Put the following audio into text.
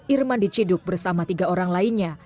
irman diciduk bersama tiga orang lainnya